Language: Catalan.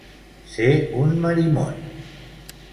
Ser un Marimon.